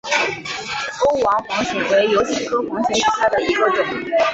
欧瓦黄藓为油藓科黄藓属下的一个种。